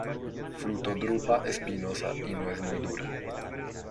Fruto drupa espinosa y nuez muy dura.